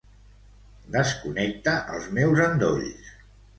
Desconnecta els meus endolls.